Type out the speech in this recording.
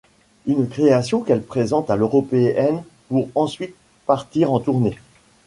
Une création qu’elle présente à L'Européen pour ensuite partir en tournée.